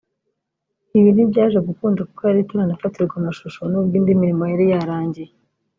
ibi ntibyaje gukunda kuko yari itaranafatirwa amashusho n’ubwo indi mirimo yari yarangiye